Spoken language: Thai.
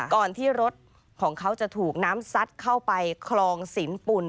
ก่อนที่รถของเขาจะถูกน้ำซัดเข้าไปคลองสินปุ่น